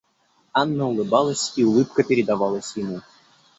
Анна улыбалась, и улыбка передавалась ему.